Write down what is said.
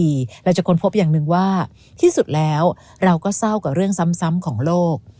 เราจะค้นพบอย่างหนึ่งว่าที่สุดแล้วเราก็เศร้ากับเรื่องซ้ำของโลก